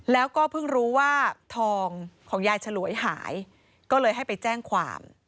แล้วก็เพิ่งรู้ว่าทองของยายฉลวยหายก็เลยให้ไปแจ้งความ